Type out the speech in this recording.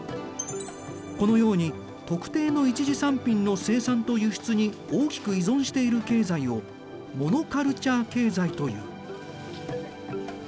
このように特定の一次産品の生産と輸出に大きく依存している経済をモノカルチャー経済という。